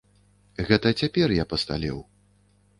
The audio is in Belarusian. Гэта цяпер я пасталеў.